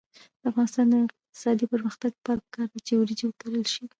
د افغانستان د اقتصادي پرمختګ لپاره پکار ده چې وریجې وکرل شي.